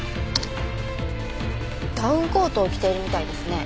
ダウンコートを着ているみたいですね。